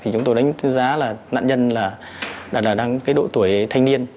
chúng tôi đánh giá là nạn nhân là độ tuổi thanh niên